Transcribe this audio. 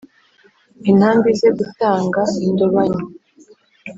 Intambi ze gutanga indobanywa